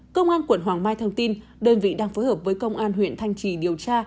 công an quận hoàng mai thông tin đơn vị đang phối hợp với công an huyện thanh trì điều tra